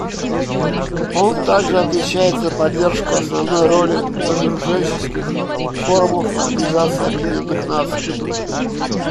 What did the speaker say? Он также отвечает за поддержку основной роли разоруженческих форумов Организации Объединенных Наций.